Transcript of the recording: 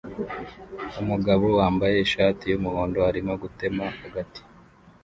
Umugabo wambaye ishati yumuhondo arimo gutema agati